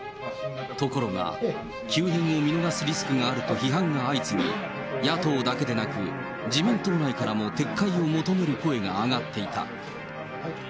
ところが、急変を見逃すリスクがあると批判が相次ぎ、野党だけでなく、自民党内からも撤回を求める声が上がっていた。